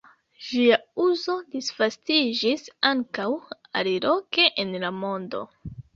Ĝia uzo disvastiĝis ankaŭ aliloke en la mondo.